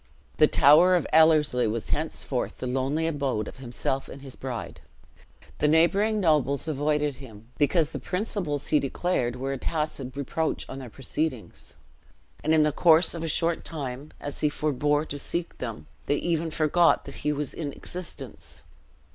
The tower of Ellerslie was henceforth the lonely abode of himself and his bride. The neighboring nobles avoided him, because the principles he declared were a tacit reproach on their proceedings; and in the course of a short time, as he forbore to seek them, they even forgot that he was in existence.